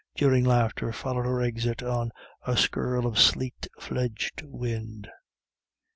Jeering laughter followed her exit on a skirl of sleet fledged wind.